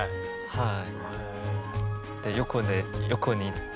はい。